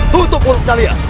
tutup urut kalian